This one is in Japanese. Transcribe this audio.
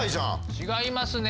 違いますね。